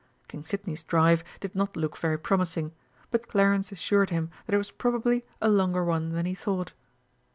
King Sidney's drive did not look very promising, but Clarence assured him that it was probably a longer one than he thought.